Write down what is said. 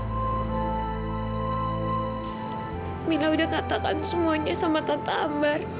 camilla udah katakan semuanya sama tante ambar